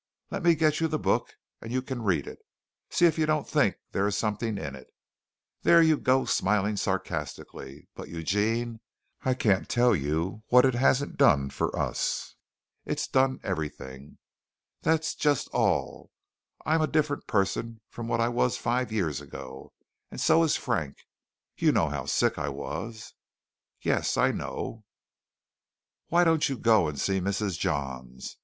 Let me get you the book and you can read it. See if you don't think there is something in it. There you go smiling sarcastically, but, Eugene, I can't tell you what it hasn't done for us. It's done everything that's just all. I'm a different person from what I was five years ago, and so is Frank. You know how sick I was?" "Yes, I know." "Why don't you go and see Mrs. Johns?